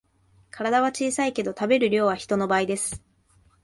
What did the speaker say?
体は小さいけど食べる量は人の倍です